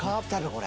これ。